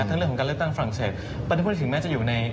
ทั้งเรื่องของการเลือกตั้งฝั่งเศษประโดยไม่ถึงแม้จะอยู่ใน